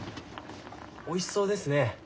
おいしそうですね。